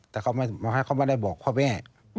แต่เขาไม่ได้บอกพ่อแม่